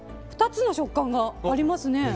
２つの食感がありますね。